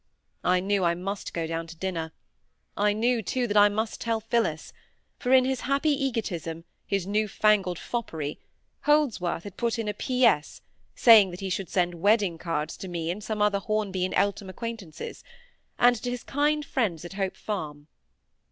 I knew I must go down to dinner; I knew, too, I must tell Phillis; for in his happy egotism, his new fangled foppery, Holdsworth had put in a P.S., saying that he should send wedding cards to me and some other Hornby and Eltham acquaintances, and "to his kind friends at Hope Farm".